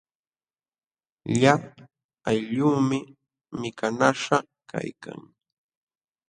Lla aylluumi mikanaśhqa kaykan.